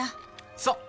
そう。